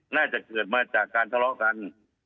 น่าจะเกิดมาจากการทะเลาะกัน